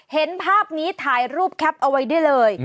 เห็นภาพนี้ถ่ายรูปแคปเอาไว้ได้เลย